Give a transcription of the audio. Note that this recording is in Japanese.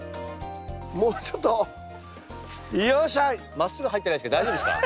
まっすぐ入ってないですけど大丈夫ですか？